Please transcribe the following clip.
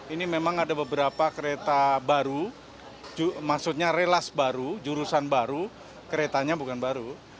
ini memang ada beberapa kereta baru maksudnya relas baru jurusan baru keretanya bukan baru